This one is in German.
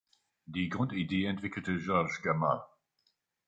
Die Grundidee entwickelte George Gamow.